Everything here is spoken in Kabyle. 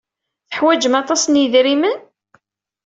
Teḥwajem aṭas n yidrimen?